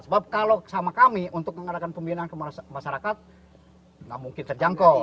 sebab kalau sama kami untuk mengadakan pembinaan ke masyarakat nggak mungkin terjangkau